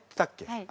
はい。